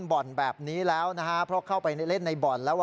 โต้นบ่อนแบบนี้แล้วนะครับเพราะเข้าไปแล้วดูบ่อนเก่าล่ะ